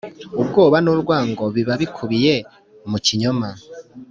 ubwoba n' urwango biba bikubiye mu kinyoma